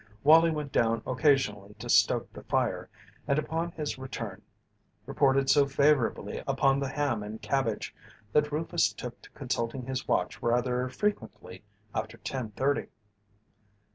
Wallie went down occasionally to stoke the fire, and upon his return reported so favourably upon the ham and cabbage that Rufus took to consulting his watch rather frequently after ten thirty.